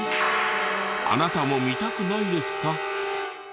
あなたも見たくないですか？